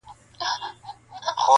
• په مشاعره کي دیکلمه کړی دی -